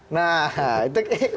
nah itu kayaknya